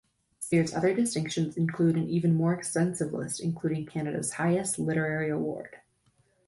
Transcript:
Sears's other distinctions include an even more extensive list including Canada's highest literary award.